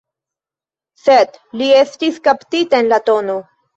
Sed li estis kaptita en la tn.